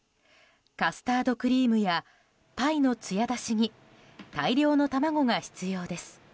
カスタードクリームやパイのつや出しに大量の卵が必要です。